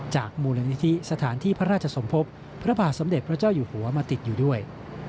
มูลนิธิสถานที่พระราชสมภพพระบาทสมเด็จพระเจ้าอยู่หัวมาติดอยู่ด้วย